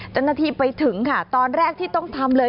เจ้าหน้าที่ไปถึงค่ะตอนแรกที่ต้องทำเลย